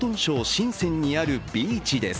深センにあるビーチです。